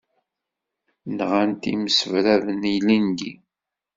Nɣan-t yimesrebraben ilindi.